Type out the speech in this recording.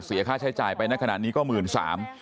เสียค่าใช้จ่ายไปในขณะนี้ก็หมื่นสาม